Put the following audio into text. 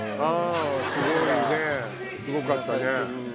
すごかったね。